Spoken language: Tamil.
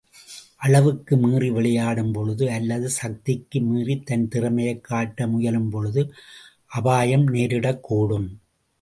அளவுக்கு மீறி விளையாடும் பொழுது, அல்லது சக்திக்கு மீறி தன் திறமையைக் காட்ட முயலும்பொழுது, அபாயம் நேரிடக்கூடும்.